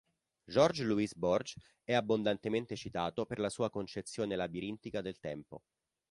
Jorge Luis Borges è abbondantemente citato per la sua concezione labirintica del tempo.